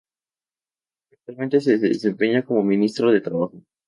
Actualmente se desempeña como Ministro de Trabajo.